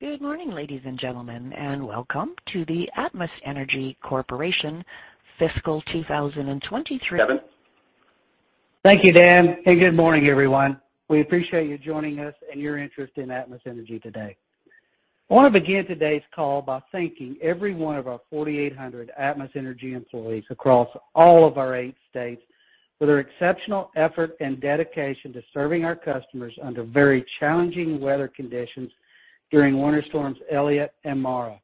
Good morning, ladies and gentlemen, and welcome to the Atmos Energy Corporation Fiscal 2023. Kevin? Thank you, Dan. Good morning, everyone. We appreciate you joining us and your interest in Atmos Energy today. I want to begin today's call by thanking every one of our 4,800 Atmos Energy employees across all of our eight states for their exceptional effort and dedication to serving our customers under very challenging weather conditions during Winter Storm Elliott and Mara.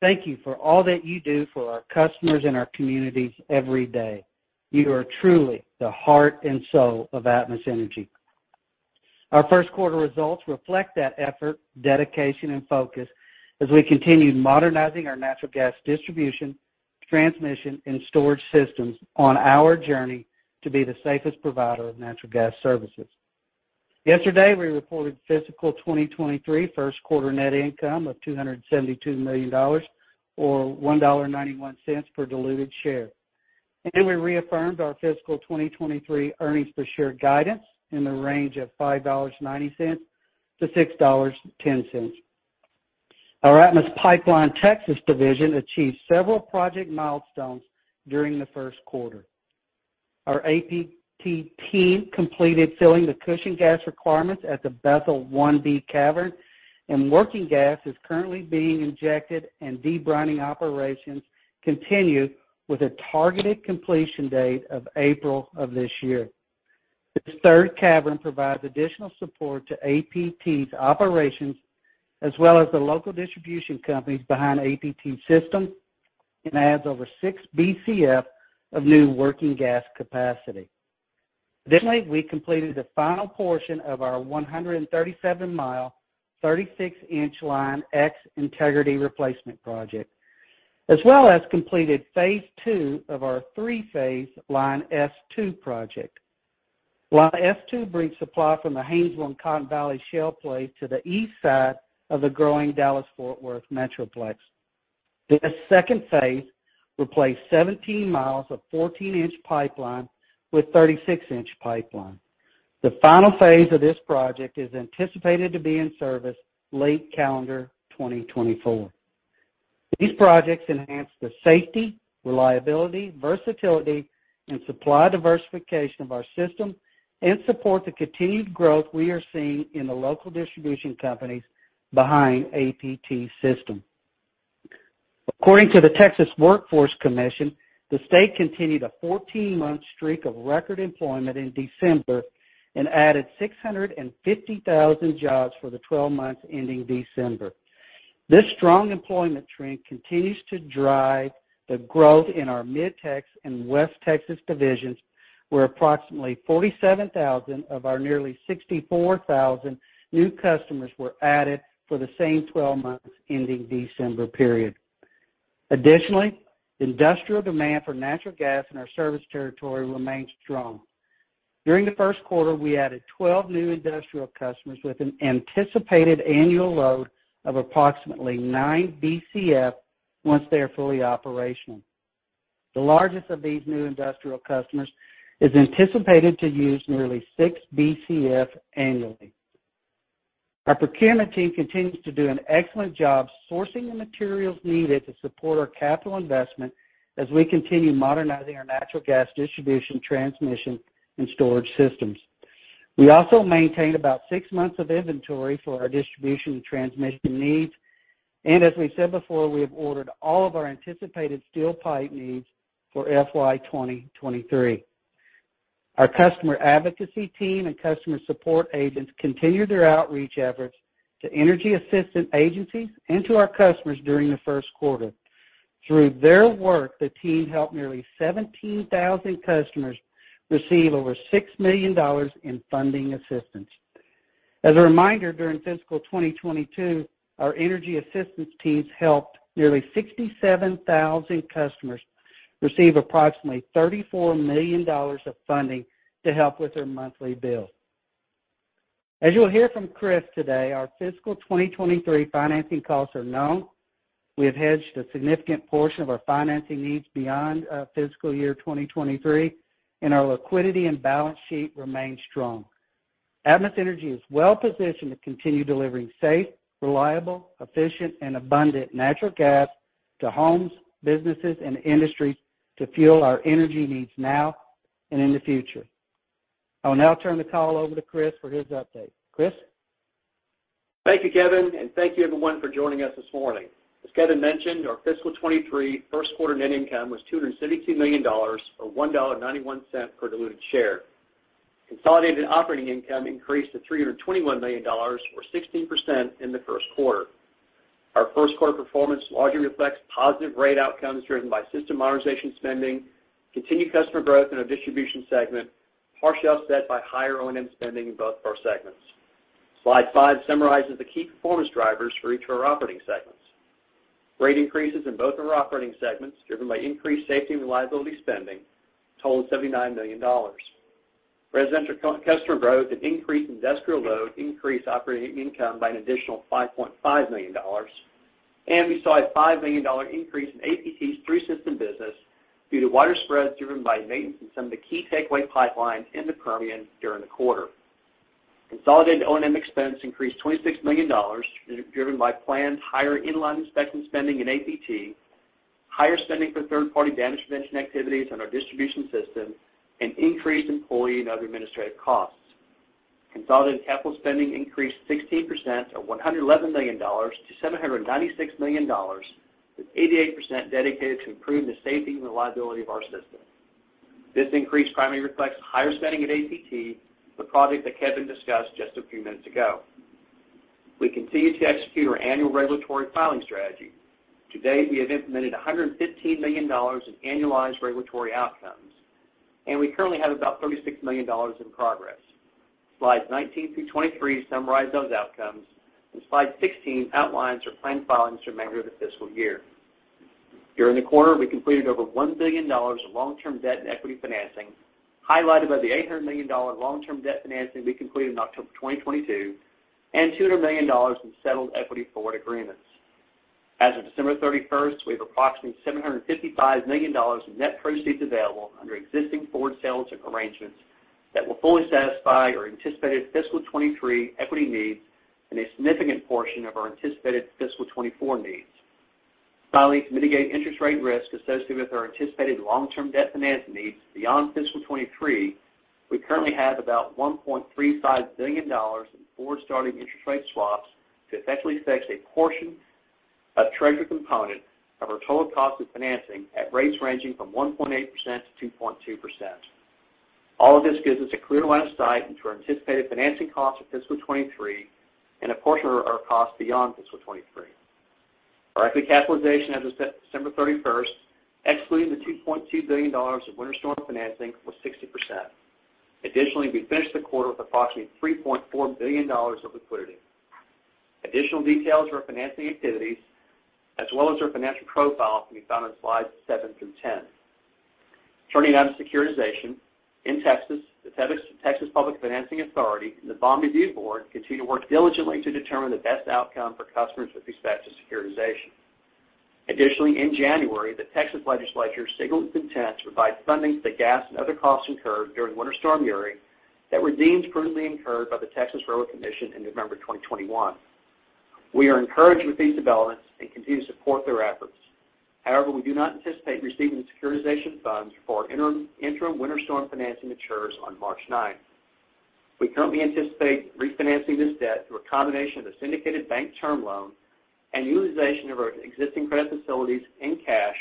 Thank you for all that you do for our customers and our communities every day. You are truly the heart and soul of Atmos Energy. Our first quarter results reflect that effort, dedication, and focus as we continue modernizing our natural gas distribution, transmission, and storage systems on our journey to be the safest provider of natural gas services. Yesterday, we reported fiscal 2023 first quarter net income of $272 million or $1.91 per diluted share. We reaffirmed our fiscal 2023 earnings per share guidance in the range of $5.90-$6.10. Our Atmos Pipeline-Texas division achieved several project milestones during the first quarter. Our APT team completed filling the cushion gas requirements at the Bethel 1B cavern, and working gas is currently being injected and debrining operations continue with a targeted completion date of April of this year. This third cavern provides additional support to APT's operations as well as the local distribution companies behind APT system and adds over 6 Bcf of new working gas capacity. Additionally, we completed the final portion of our 137 mi, 36-inch Line X integrity replacement project, as well as completed phase II of our three-phase Line S-2 project. Line S2 brings supply from the Haynesville and Cotton Valley Shale plays to the east side of the growing Dallas-Fort Worth metroplex. This second phase replaced 17 mi of 14-inch pipeline with 36-inch pipeline. The final phase of this project is anticipated to be in service late calendar 2024. These projects enhance the safety, reliability, versatility, and supply diversification of our system and support the continued growth we are seeing in the local distribution companies behind APT system. According to the Texas Workforce Commission, the state continued a 14-month streak of record employment in December and added 650,000 jobs for the 12 months ending December. This strong employment trend continues to drive the growth in our Mid-Tex and West Texas divisions, where approximately 47,000 of our nearly 64,000 new customers were added for the same 12 months ending December period. Additionally, industrial demand for natural gas in our service territory remains strong. During the first quarter, we added 12 new industrial customers with an anticipated annual load of approximately 9 Bcf once they are fully operational. The largest of these new industrial customers is anticipated to use nearly 6 Bcf annually. Our procurement team continues to do an excellent job sourcing the materials needed to support our capital investment as we continue modernizing our natural gas distribution, transmission, and storage systems. We also maintain about six months of inventory for our distribution and transmission needs. As we said before, we have ordered all of our anticipated steel pipe needs for FY 2023. Our customer advocacy team and customer support agents continued their outreach efforts to energy assistant agencies and to our customers during the first quarter. Through their work, the team helped nearly 17,000 customers receive over $6 million in funding assistance. As a reminder, during fiscal 2022, our energy assistance teams helped nearly 67,000 customers receive approximately $34 million of funding to help with their monthly bill. As you'll hear from Chris today, our fiscal 2023 financing costs are known. We have hedged a significant portion of our financing needs beyond fiscal year 2023, and our liquidity and balance sheet remain strong. Atmos Energy is well-positioned to continue delivering safe, reliable, efficient, and abundant natural gas to homes, businesses, and industries to fuel our energy needs now and in the future. I will now turn the call over to Chris for his update. Chris? Thank you, Kevin. Thank you everyone for joining us this morning. As Kevin mentioned, our fiscal 2023 first quarter net income was $262 million or $1.91 per diluted share. Consolidated operating income increased to $321 million or 16% in the first quarter. Our first quarter performance largely reflects positive rate outcomes driven by system modernization spending, continued customer growth in our distribution segment, partially offset by higher O&M spending in both of our segments. Slide five summarizes the key performance drivers for each of our operating segments. Rate increases in both of our operating segments, driven by increased safety and reliability spending, totaled $79 million. Residential customer growth and increased industrial load increased operating income by an additional $5.5 million. We saw a $5 million increase in APT's through-system business due to wider spreads driven by maintenance in some of the key takeaway pipelines in the Permian during the quarter. Consolidated O&M expense increased $26 million, driven by planned higher in-line inspection spending in APT, higher spending for third party damage prevention activities on our distribution system, and increased employee and other administrative costs. Consolidated capital spending increased 16% or $111 million-$796 million, with 88% dedicated to improving the safety and reliability of our system. This increase primarily reflects higher spending at APT for projects that Kevin discussed just a few minutes ago. We continue to execute our annual regulatory filing strategy. To date, we have implemented $115 million in annualized regulatory outcomes, and we currently have about $36 million in progress. Slides 19 through 23 summarize those outcomes, and Slide 16 outlines our planned filings for the remainder of the fiscal year. During the quarter, we completed over $1 billion of long-term debt and equity financing, highlighted by the $800 million long-term debt financing we completed in October 2022, and $200 million in settled equity forward agreements. As of December 31st, we have approximately $755 million in net proceeds available under existing forward sales arrangements that will fully satisfy our anticipated fiscal 2023 equity needs and a significant portion of our anticipated fiscal 2024 needs. Finally, to mitigate interest rate risk associated with our anticipated long-term debt finance needs beyond fiscal 2023, we currently have about $1.35 billion in forward starting interest rate swaps to effectively fix a portion of treasury component of our total cost of financing at rates ranging from 1.8%-2.2%. All of this gives us a clear line of sight into our anticipated financing costs for fiscal 2023 and a portion of our costs beyond fiscal 2023. Our equity capitalization as of December 31st, excluding the $2.2 billion of Winter Storm financing, was 60%. Additionally, we finished the quarter with approximately $3.4 billion of liquidity. Additional details for our financing activities as well as our financial profile can be found on Slides seven through 10. Turning now to securitization. In Texas, the Texas Public Finance Authority and the Bond Review Board continue to work diligently to determine the best outcome for customers with respect to securitization. In January, the Texas Legislature signaled its intent to provide funding for the gas and other costs incurred during Winter Storm Uri that were deemed prudently incurred by the Texas Railroad Commission in November 2021. We are encouraged with these developments and continue to support their efforts. We do not anticipate receiving securitization funds before our interim Winter Storm financing matures on March 9. We currently anticipate refinancing this debt through a combination of the syndicated bank term loan and utilization of our existing credit facilities in cash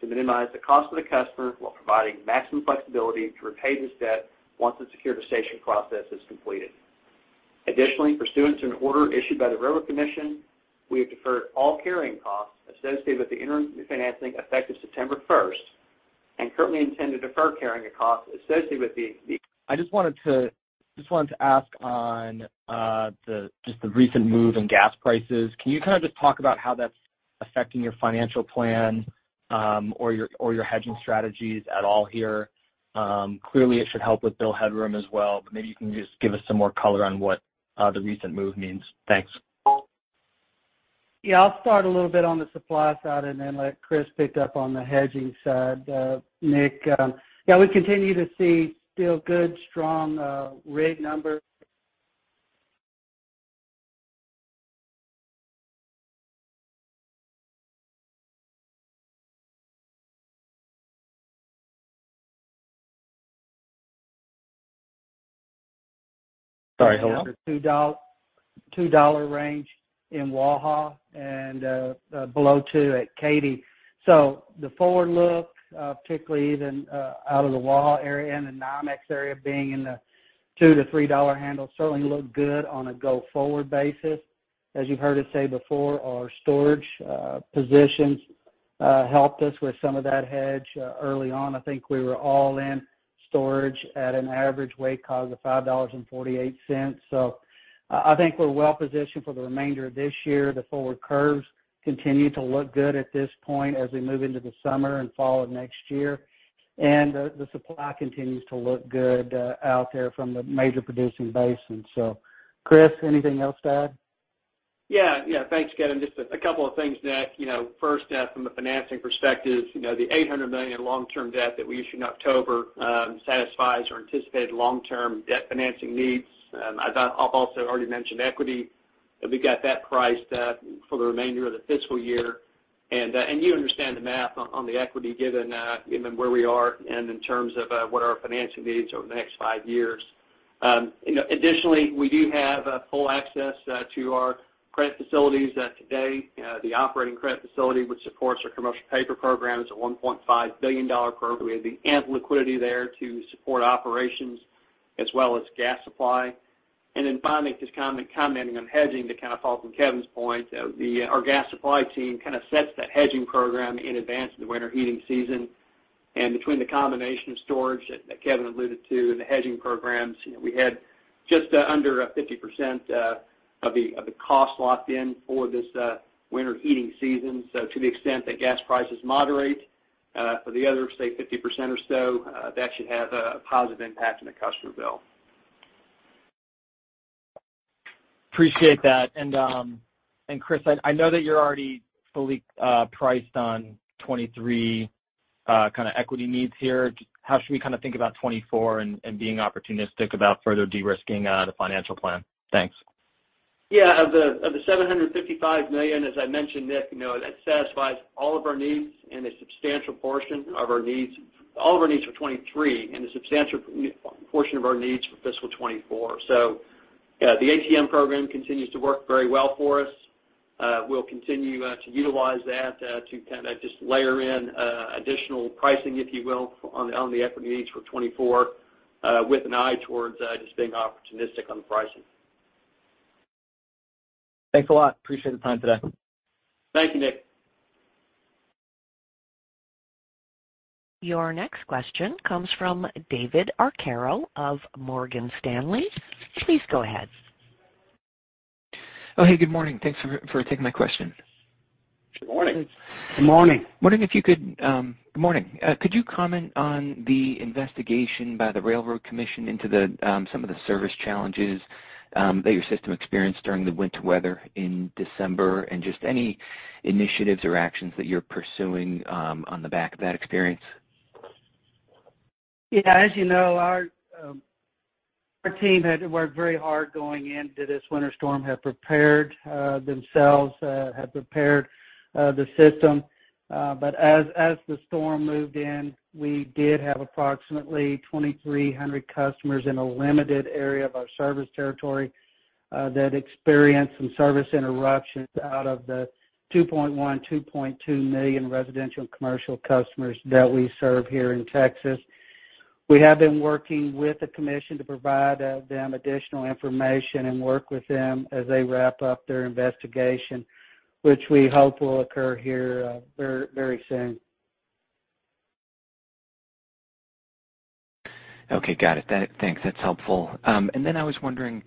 to minimize the cost to the customer while providing maximum flexibility to repay this debt once the securitization process is completed. Additionally, pursuant to an order issued by the Railroad Commission, we have deferred all carrying costs associated with the interim refinancing effective September 1st and currently intend to defer carrying a cost associated with. I just wanted to ask on just the recent move in gas prices. Can you kind of just talk about how that's affecting your financial plan, or your hedging strategies at all here? Clearly, it should help with bill headroom as well, but maybe you can just give us some more color on what the recent move means. Thanks. I'll start a little bit on the supply side and then let Chris pick up on the hedging side, Nick. We continue to see still good, strong, rig numbers. Sorry, hello? $2 range in Waha and below $2 at Katy. The forward look, particularly even out of the Waha area and the 9x area being in the $2-$3 handle certainly look good on a go forward basis. As you've heard us say before, our storage positions helped us with some of that hedge. Early on, I think we were all in storage at an average weight cost of $5.48. I think we're well positioned for the remainder of this year. The forward curves continue to look good at this point as we move into the summer and fall of next year. The supply continues to look good out there from the major producing basins. Chris, anything else to add? Yeah. Yeah. Thanks, Kevin. Just a couple of things, Nick. You know, first, from the financing perspective, you know, the $800 million long-term debt that we issued in October, satisfies our anticipated long-term debt financing needs. As I've also already mentioned equity, that we got that priced for the remainder of the fiscal year. You understand the math on the equity given where we are and in terms of what our financing needs over the next five years. You know, additionally, we do have full access to our credit facilities today. The operating credit facility, which supports our commercial paper program, is a $1.5 billion program. We have the ample liquidity there to support operations as well as gas supply. Finally, just commenting on hedging to kind of follow from Kevin's point, our gas supply team kind of sets that hedging program in advance of the winter heating season. Between the combination of storage that Kevin alluded to and the hedging programs, you know, we had just under 50% of the cost locked in for this winter heating season. To the extent that gas prices moderate for the other say 50% or so, that should have a positive impact on the customer bill. Appreciate that. Chris, I know that you're already fully priced on 2023 kind of equity needs here. How should we kind about 2024 and being opportunistic about further de-risking the financial plan? Thanks. Of the $755 million, as I mentioned, Nick, you know, that satisfies all of our needs and a substantial portion of our needs, all of our needs for 2023 and a substantial portion of our needs for fiscal 2024. The ATM program continues to work very well for us. We'll continue to utilize that to kind of just layer in additional pricing, if you will, on the equity needs for 2024, with an eye towards just being opportunistic on the pricing. Thanks a lot. Appreciate the time today. Thank you, Nick. Your next question comes from David Arcaro of Morgan Stanley. Please go ahead. Oh, hey, good morning. Thanks for taking my question. Good morning. Good morning. Wondering if you could comment on the investigation by the Railroad Commission into the some of the service challenges that your system experienced during the winter weather in December, and just any initiatives or actions that you're pursuing on the back of that experience? As you know, our team had worked very hard going into this winter storm, had prepared themselves, had prepared the system. As the storm moved in, we did have approximately 2,300 customers in a limited area of our service territory that experienced some service interruptions out of the 2.1 million, 2.2 million residential and commercial customers that we serve here in Texas. We have been working with the commission to provide them additional information and work with them as they wrap up their investigation, which we hope will occur here very soon. Okay. Got it. Thanks. That's helpful. Then I was wondering,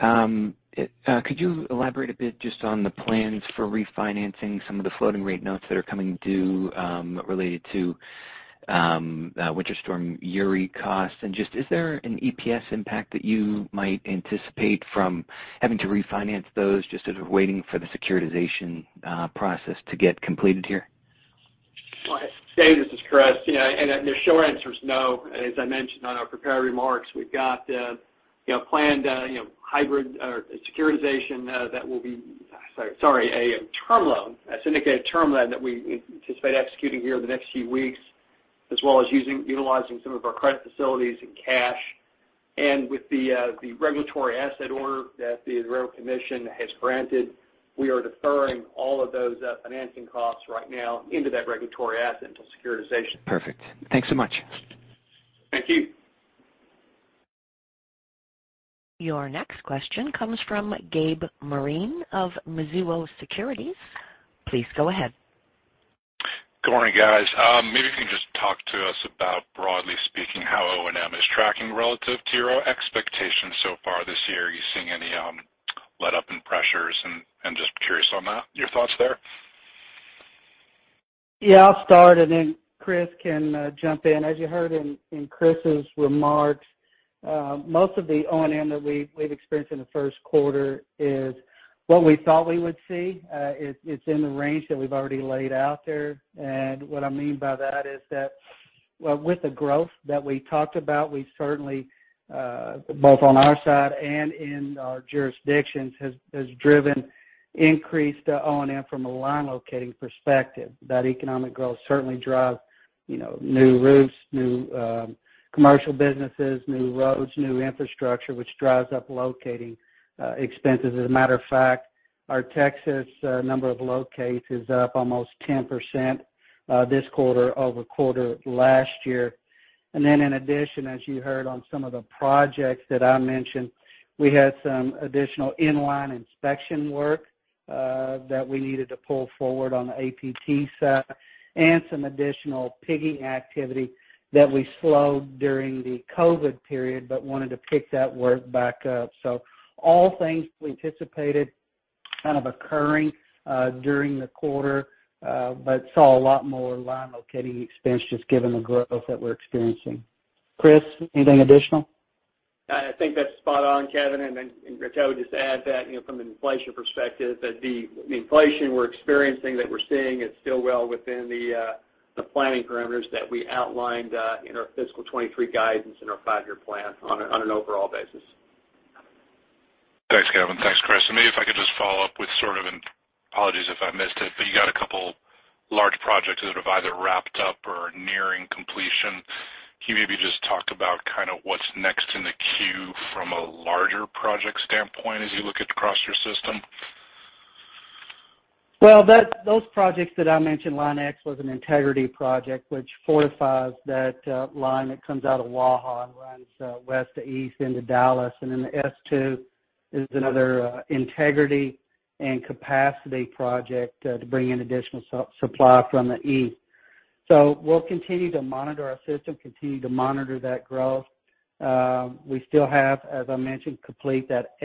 could you elaborate a bit just on the plans for refinancing some of the floating rate notes that are coming due, related to Winter Storm Uri costs? Just, is there an EPS impact that you might anticipate from having to refinance those just as we're waiting for the securitization process to get completed here? Well, Dave, this is Chris. Yeah, the short answer is no. As I mentioned on our prepared remarks, we've got, you know, planned, you know, hybrid or securitization, a term loan, a syndicated term loan that we anticipate executing here in the next few weeks, as well as utilizing some of our credit facilities in cash. With the regulatory asset order that the Railroad Commission has granted, we are deferring all of those financing costs right now into that regulatory asset until securitization. Perfect. Thanks so much. Thank you. Your next question comes from Gabe Moreen of Mizuho Securities. Please go ahead. Good morning, guys. Maybe you can just talk to us about, broadly speaking, how O&M is tracking relative to your expectations so far this year. Are you seeing any letup in pressures? Just curious on that, your thoughts there? Yeah, I'll start, and then Chris can jump in. As you heard in Chris's remarks, most of the O&M that we've experienced in the first quarter is what we thought we would see. It's in the range that we've already laid out there. What I mean by that is that, well, with the growth that we talked about, we certainly, both on our side and in our jurisdictions, has driven increased O&M from a line locating perspective. That economic growth certainly drives, you know, new roofs, new commercial businesses, new roads, new infrastructure, which drives up locating expenses. As a matter of fact, our Texas number of locates is up almost 10% this quarter-over-quarter last year. In addition, as you heard on some of the projects that I mentioned, we had some additional in-line inspection work that we needed to pull forward on the APT side and some additional pigging activity that we slowed during the COVID period but wanted to pick that work back up. All things we anticipated kind of occurring during the quarter but saw a lot more line locating expense just given the growth that we're experiencing. Chris, anything additional? I think that's spot on, Kevin. I would just add that, you know, from an inflation perspective, that the inflation we're experiencing, that we're seeing is still well within the planning parameters that we outlined in our fiscal 2023 guidance and our five-year plan on an overall basis. Thanks, Kevin. Thanks, Chris. Maybe if I could just follow up with sort of an. Apologies if I missed it, but you got a couple large projects that have either wrapped up or are nearing completion. Can you maybe just talk about kind of what's next in the queue from a larger project standpoint as you look across your system? Those projects that I mentioned, Line X was an integrity project which fortifies that line that comes out of Waha and runs west to east into Dallas. The S-2 is another integrity and capacity project to bring in additional supply from the east. We'll continue to monitor our system, continue to monitor that growth. We still have, as I mentioned, complete that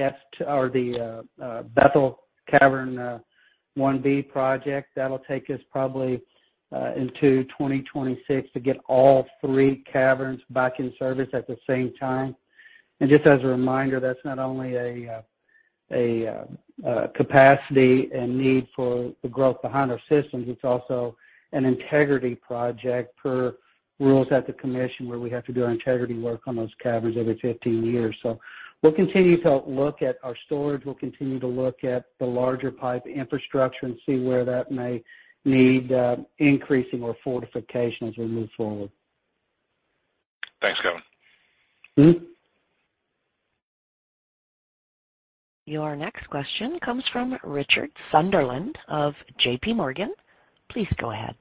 Bethel Cavern 1B project. That'll take us probably into 2026 to get all three caverns back in service at the same time. Just as a reminder, that's not only a capacity and need for the growth behind our systems. It's also an integrity project per rules at the Commission, where we have to do our integrity work on those caverns every 15 years. We'll continue to look at our storage. We'll continue to look at the larger pipe infrastructure and see where that may need increasing or fortification as we move forward. Thanks, Kevin. Mm-hmm. Your next question comes from Richard Sunderland of JPMorgan. Please go ahead.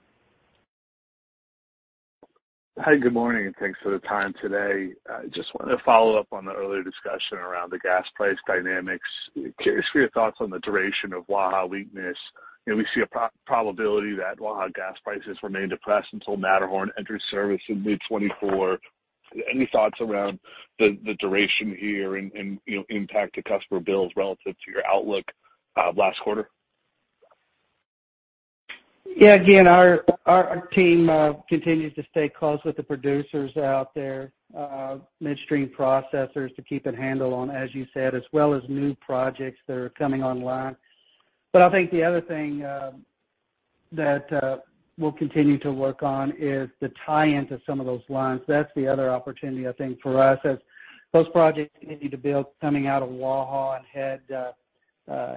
Hi, good morning. Thanks for the time today. I just wanted to follow up on the earlier discussion around the gas price dynamics. Could you just give your thoughts on the duration of Waha weakness? You know, we see a probability that Waha gas prices remain depressed until Matterhorn enters service in mid-2024. Any thoughts around the duration here and, you know, impact to customer bills relative to your outlook last quarter? Yeah. Again, our team continues to stay close with the producers out there, midstream processors to keep a handle on, as you said, as well as new projects that are coming online. I think the other thing that we'll continue to work on is the tie in to some of those lines. That's the other opportunity, I think, for us as those projects continue to build coming out of Waha and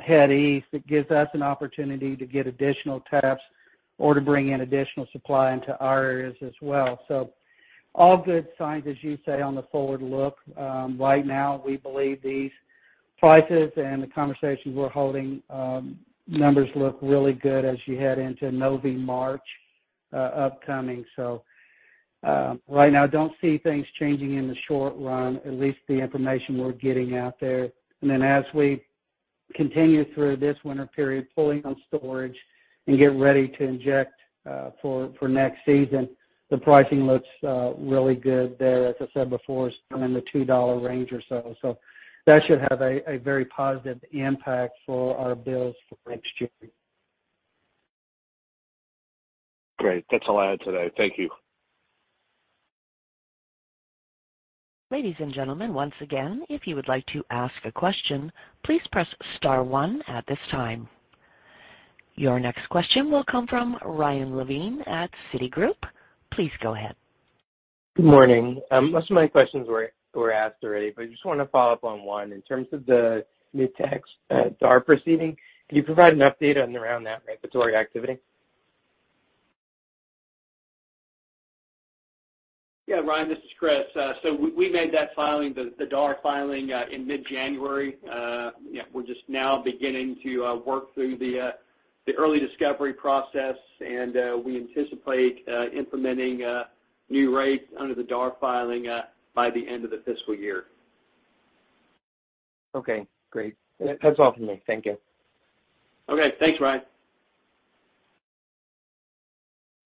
head east. It gives us an opportunity to get additional taps or to bring in additional supply into our areas as well. All good signs, as you say, on the forward look. Right now we believe these prices and the conversations we're holding, numbers look really good as you head into Novi March upcoming. Right now don't see things changing in the short run, at least the information we're getting out there. As we continue through this winter period, pulling on storage and get ready to inject for next season, the pricing looks really good there. As I said before, it's somewhere in the $2 range or so. That should have a very positive impact for our bills for next year. Great. That's all I have today. Thank you. Ladies and gentlemen, once again, if you would like to ask a question, please press star one at this time. Your next question will come from Ryan Levine at Citigroup. Please go ahead. Good morning. Most of my questions were asked already. I just wanna follow up on one. In terms of the Mid-Tex, DARR proceeding, can you provide an update on around that regulatory activity? Ryan, this is Chris. We made that filing, the DARR filing, in mid-January. We're just now beginning to work through the early discovery process, and we anticipate implementing new rates under the DARR filing by the end of the fiscal year. Okay, great. That's all for me. Thank you. Okay, thanks, Ryan.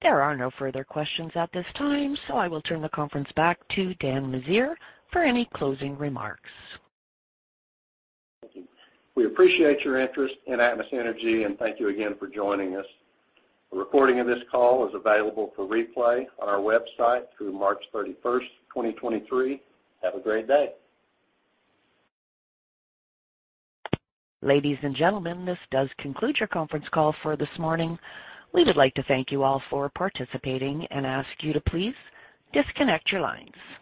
There are no further questions at this time, so I will turn the conference back to Dan Meziere for any closing remarks. Thank you. We appreciate your interest in Atmos Energy. Thank you again for joining us. A recording of this call is available for replay on our website through March 31st, 2023. Have a great day. Ladies and gentlemen, this does conclude your conference call for this morning. We would like to thank you all for participating and ask you to please disconnect your lines.